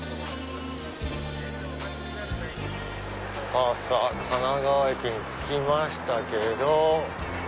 さぁさぁ神奈川駅に着きましたけど。